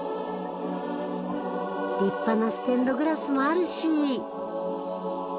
立派なステンドグラスもあるし。